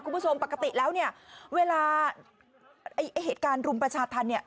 คุณผู้ชมปกติแล้วเนี่ยเวลาเหตุการณ์รุมประชาธรรมเนี่ย